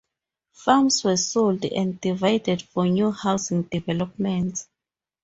Farms were sold, and divided for new housing developments.